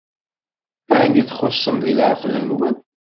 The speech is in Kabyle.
Ɛni txuṣṣem deg leɛqel-nwen?